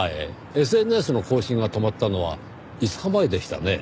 ＳＮＳの更新が止まったのは５日前でしたねぇ。